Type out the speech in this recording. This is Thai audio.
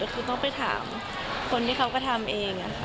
คือต้องไปถามคนที่เขากระทำเอง